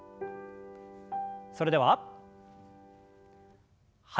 それでははい。